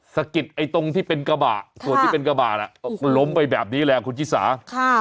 สะกิดไอ้ตรงที่เป็นกระบะส่วนที่เป็นกระบะล้มไปแบบนี้แหละคุณชิสา